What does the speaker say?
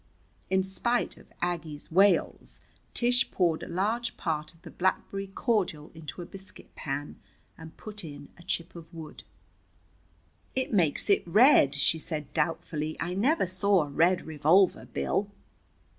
In spite of Aggie's wails Tish poured a large part of the blackberry cordial into a biscuit pan, and put in a chip of wood. "It makes it red," she said doubtfully. "I never saw a red revolver, Bill."